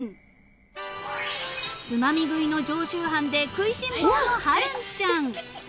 ［つまみ食いの常習犯で食いしん坊の春音ちゃん］